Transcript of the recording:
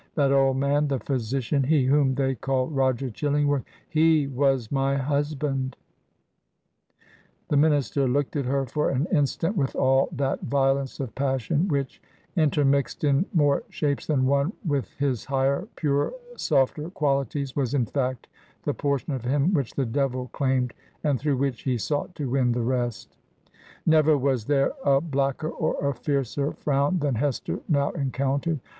That old man I — the physician 1 — he whom they call Roger ChiUingworthI — he was my husband 1' The minister looked at her for an instant, with all that violence of passion which — intermixed, in more shapes than one, with his higher, purer, softer qualities — ^was, in fact, the portion of him which the Devil claimed, and through which he sought to win the rest. Never was there a blacker or a fiercer frown than Hester now encountered.